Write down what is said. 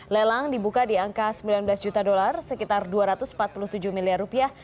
lelang dibuka di angka sembilan belas juta dolar sekitar dua ratus empat puluh tujuh miliar rupiah